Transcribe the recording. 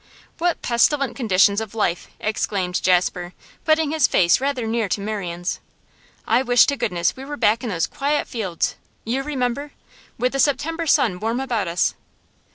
'What pestilent conditions of life!' exclaimed Jasper, putting his face rather near to Marian's. 'I wish to goodness we were back in those quiet fields you remember? with the September sun warm about us.